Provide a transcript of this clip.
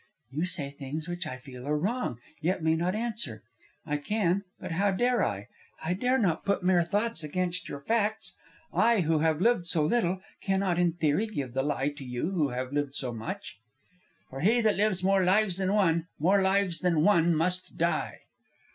"You say things which I feel are wrong, yet may not answer. I can, but how dare I? I dare not put mere thoughts against your facts. I, who have lived so little, cannot in theory give the lie to you who have lived so much " "'For he who lives more lives than one, more lives than one must die.'"